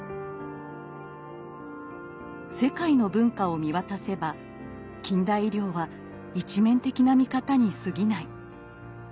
世界の文化を見渡せば近代医療は一面的な見方にすぎない。